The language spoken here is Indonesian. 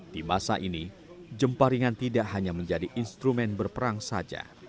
di masa ini jemparingan tidak hanya menjadi instrumen berperang saja